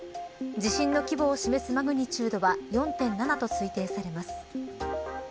地震の規模を示すマグニチュードは４．７と推定されます。